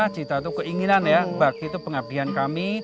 cita itu keinginan ya bakti itu pengabdian kami